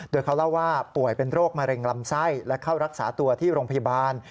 โดยเขาเล่าว่าป่วยเป็นโรคมะเร็งลำไส้และเข้ารักษาตัวที่โรงพยาบาล